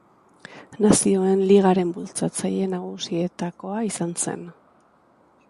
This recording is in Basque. Nazioen Ligaren bultzatzaile nagusietakoa izan zen.